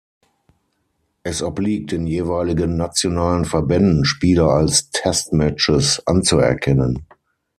Es obliegt den jeweiligen nationalen Verbänden, Spiele als "Test Matches" anzuerkennen.